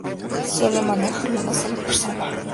Suele manejarlo una sola persona.